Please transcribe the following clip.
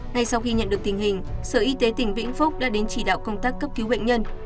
ngay sau khi nhận được tình hình sở y tế tỉnh vĩnh phúc đã đến chỉ đạo công tác cấp cứu bệnh nhân